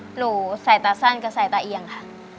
หนูใส่ตาสั้นกับใส่ตาเอียงค่ะ